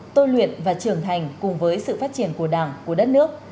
tôi luyện và trưởng thành cùng với sự phát triển của đảng của đất nước